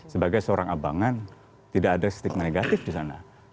sebagai seorang abangan tidak ada stigma negatif di sana